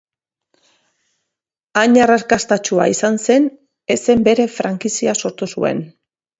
Hain arrakastatsua izan zen ezen bere frankizia sortu zuen.